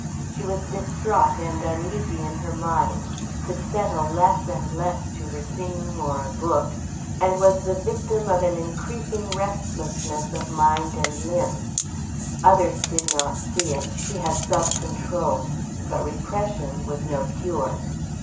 She was distraught and uneasy in her mind, could settle less and less to her singing or a book, and was the victim of an increasing restlessness of mind and limb. Others did not see it; she had self control; but repression was no cure.